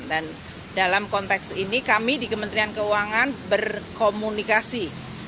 dan dalam konteks ini kami di kementerian keuangan berkomunikasi